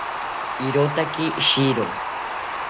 Irotaki shiro